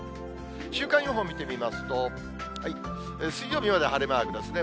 週間予報を見てみますと、水曜日まで晴れマークですね。